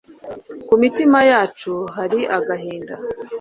kumitima yacu hari agahinda